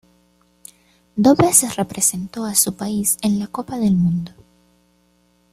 Dos veces representó a su país en la Copa del Mundo.